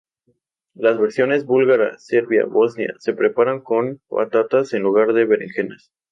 Las versiones búlgara, serbia, bosnia se preparan con patatas en lugar de berenjenas.